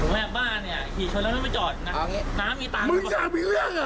มึงอยากมีเรื่องเหรอ